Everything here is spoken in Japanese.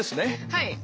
はい。